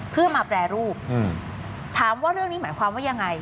เพื่อมาแปรรูปถามว่าเรื่องนี้หมายความว่ายังไง